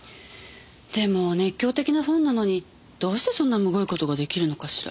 でも熱狂的なファンなのにどうしてそんなむごい事が出来るのかしら？